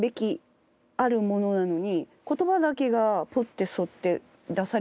言葉だけがポッてそうやって出されても。